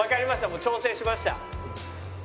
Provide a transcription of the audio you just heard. もう調整しました。